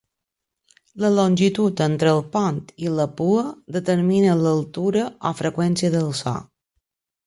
La longitud entre el pont i la pua determina l'altura o freqüència del so.